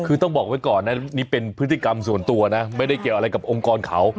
คือต้องบอกไว้ก่อนนะนี่เป็นพฤติกรรมส่วนตัวนะไม่ได้เกี่ยวอะไรกับองค์กรเขา